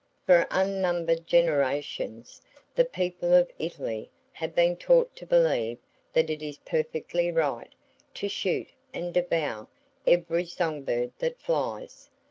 For unnumbered generations, the people of Italy have been taught to believe that it is perfectly right to shoot and devour every song bird that flies.